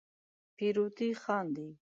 پیروتې خاندې